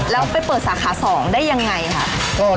แล้วไปเปิดสาขา๒ได้ยังไงค่ะ